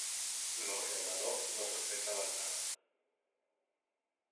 Los Románov no sospechaban nada.